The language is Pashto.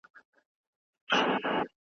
موږ باید قدردانه اوسو.